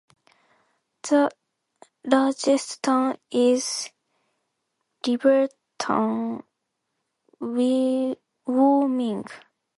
The largest town is Riverton, Wyoming.